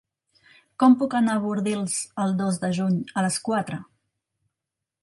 Com puc anar a Bordils el dos de juny a les quatre?